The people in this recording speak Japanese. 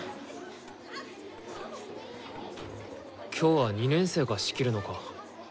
今日は２年生が仕切るのか。